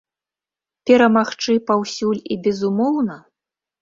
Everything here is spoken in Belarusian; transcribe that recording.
Перамагчы паўсюль і безумоўна?